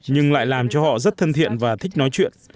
nhưng lại làm cho họ rất thân thiện và thích nói chuyện